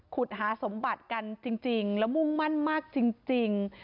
ขุดหาสมบัติกันจริงแล้วมุ่งมั่นมากจริง